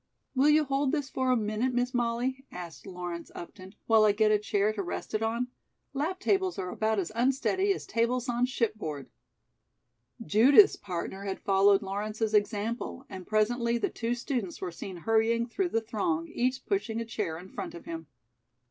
"Will you hold this for a minute, Miss Molly," asked Lawrence Upton, "while I get a chair to rest it on? Lap tables are about as unsteady as tables on shipboard." Judith's partner had followed Lawrence's example, and presently the two students were seen hurrying through the throng, each pushing a chair in front of him.